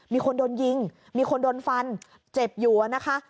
มีคนโดนยิงมีคนโดนฟันเจ็บอยู่นะคะ